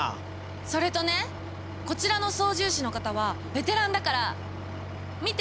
それとねこちらの操縦士の方はベテランだから見て！